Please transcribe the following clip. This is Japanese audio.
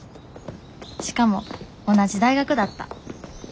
しかも同じ大学だった。